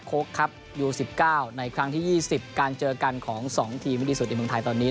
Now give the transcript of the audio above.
โค้กครับยูสิบเก้าในครั้งที่ยี่สิบการเจอกันของสองทีมดีสุดในเมืองไทยตอนนี้